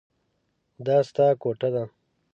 دا ستا کوټه ده.